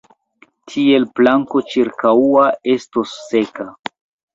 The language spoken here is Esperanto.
Tiel planko ĉirkaŭa estos seka!